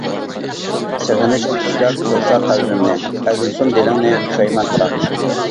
سېغىنىش كۈتۈشلەر تىلسا قەلبىمنى، ئەزمىسۇن دىلىڭنى پۇشايمان پىراق.